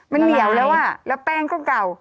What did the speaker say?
มันเหนียวแล้วอ่ะแล้วแป้งก็เก่า